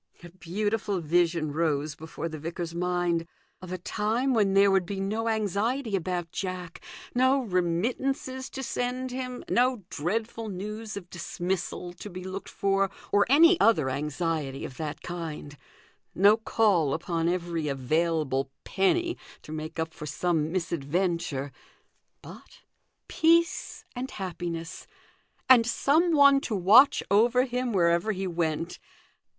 A beautiful vision rose before the vicar's mind of a time when there would be no anxiety about Jack, no remittances to send him, no dreadful news of dismissal to be looked for, or any other anxiety of that kind ; no call upon every available penny to make up for some misadventure : but peace and happiness, and some one to watch over him wherever he went.